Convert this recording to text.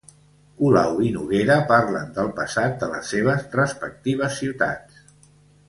Colau i Noguera parlen del passat de les seves respectives ciutats